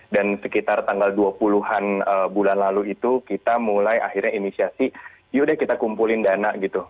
dan sekitar tanggal dua puluh an bulan lalu itu kita mulai akhirnya inisiasi yaudah kita kumpulin dana gitu